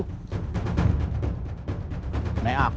sepeda gua itu